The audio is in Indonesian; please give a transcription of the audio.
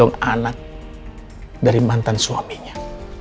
kalo temat pengo killers